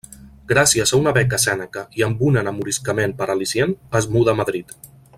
Gràcies a una beca Sèneca i amb un enamoriscament per al·licient, es muda a Madrid.